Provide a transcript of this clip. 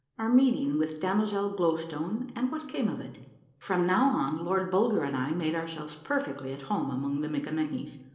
— OUR MEETING WITH DAMOZEL GLOW STONE, AND WHAT CAME OF IT. From now on Lord Bulger and I made ourselves perfectly at home among the Mikkamenkies.